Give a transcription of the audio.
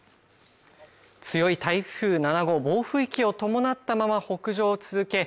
強い台風７号暴風域を伴ったまま北上を続け